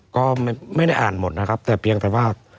ก็ไม่ได้อ่านหมดนะครับแต่เพียงแต่ว่า